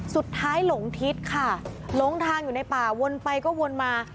หลงทิศค่ะหลงทางอยู่ในป่าวนไปก็วนมา